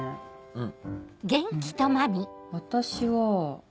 うん。